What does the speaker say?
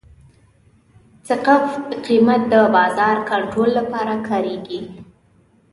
سقف قیمت د بازار کنټرول لپاره کارېږي.